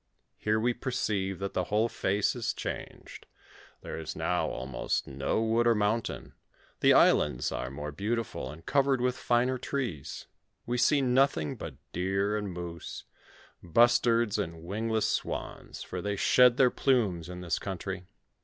Here we perceive that the whole face is changed ; there is now almost no wood or mountain, the islands are more beautiful and covered with finer trees ; we see nothing but deer and moose, bustards and wingless swans, for they shed their plumes in this country.